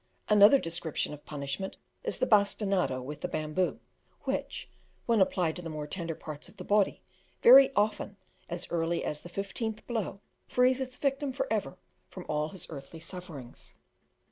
Another description of punishment is the bastinado with the bamboo, which, when applied to the more tender parts of the body, very often, as early as the fifteenth blow, frees its victim for ever from all his earthly sufferings.